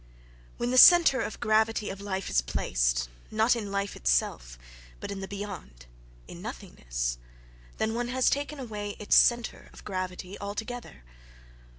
When the centre of gravity of life is placed, not in life itself, but in "the beyond"—in nothingness—then one has taken away its centre of gravity altogether.